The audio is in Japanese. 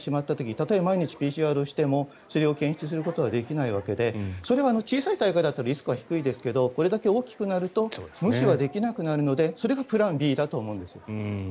たとえ毎日ＰＣＲをしてもそれを検出することはできないわけでそれが小さい大会だったらリスクは低いですけどこれだけ大きくなると無視はできなくなるのでそれがプランＢだと思うんです。